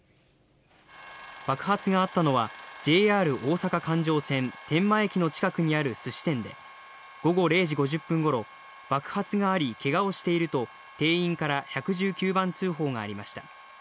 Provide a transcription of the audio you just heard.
爆発があったのは、ＪＲ大阪環状線天満駅の近くにあるすし店で、午後０時５０分ごろ、爆発がありけがをしていると、店員から１１９番通報がありました。